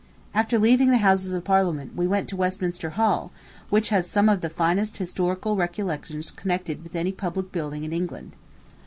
After leaving the Houses of Parliament, we went to Westminster Hall, which has some of the finest historical recollections connected with any public building in England.